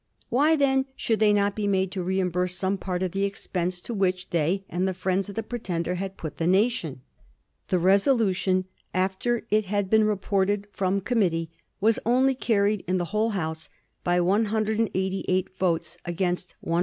Why, then, should they not be made to reimburse some part of the expense to which they and the friends of the Pretender had put the nation ? The resolution, after it had been reported from committee, was only carried in the whole House by 188 votes against 172.